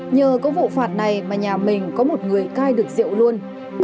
nhờ có vụ phản này mà nhà mình có một người cai được rượu luôn